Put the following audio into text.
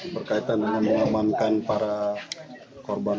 berkaitan dengan mengamankan para korban